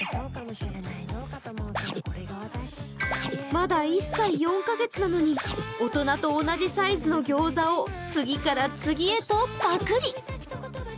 まだ１歳４か月なのに大人と同じサイズのギョーザを次から次へとパクリ。